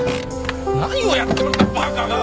何をやっとるんだバカが！